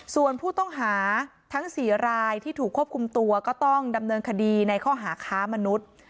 ส่วนผู้ต้องหาทั้ง๔รายที่ถูกควบคุมตัวก็ต้องดำเนินคดีในข้อหาค้ามนุษย์